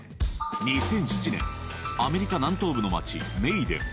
２００７年アメリカ南東部の町メイデン